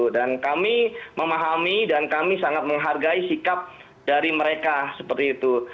dan kami memahami dan kami sangat menghargai sikap dari mereka seperti itu